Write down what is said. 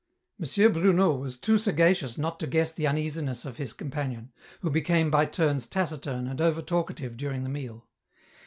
M. Bruno was too sagacious not to guess the uneasiness of his companion, who became by turns taciturn and over talkative during the meal.